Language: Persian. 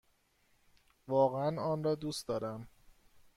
واقعا آن را دوست دارم!